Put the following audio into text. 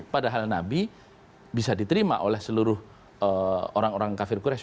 padahal nabi bisa diterima oleh seluruh orang orang kafir qurage